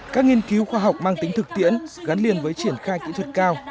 các nghiên cứu khoa học mang tính thực tiễn gắn liền với triển khai kỹ thuật cao